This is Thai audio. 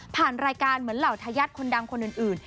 รายการเหมือนเหล่าทายาทคนดังคนอื่น